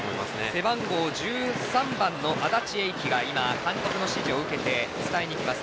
背番号１３番の安達英輝が監督の指示を受けて伝えにいきます。